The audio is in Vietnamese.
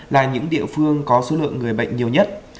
là những địa phương có số lượng người bệnh nhiều nhất